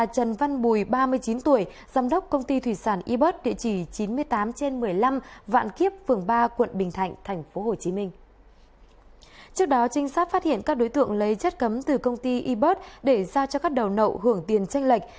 trước đó trinh sát phát hiện các đối tượng lấy chất cấm từ công ty ebot để ra cho các đầu nậu hưởng tiền tranh lệch